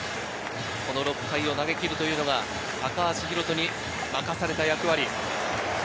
６回を投げきるというのが高橋宏斗に任された役割。